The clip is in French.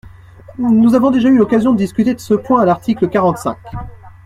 Nous avons déjà eu l’occasion de discuter de ce point à l’article quarante-cinq.